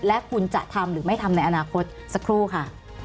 และคุณจะทำหรือไม่ทำในอนาคตสักครู่ค่ะ